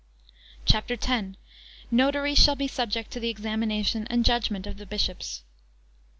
CHAPTER X. Notaries shall be subject to the examination and judgment of the Bishops.